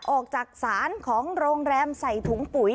ออกจากศาลของโรงแรมใส่ถุงปุ๋ย